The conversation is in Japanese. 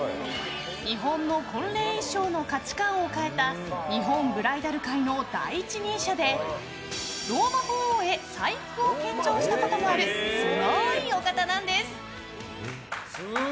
日本の婚礼衣装の価値観を変えた日本ブライダル界の第一人者でローマ法王へ祭服を献上したこともあるすごい！